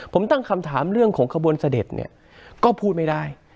ผมตั้งคำถามเรื่องของขบวนเสด็จเนี่ยก็พูดไม่ได้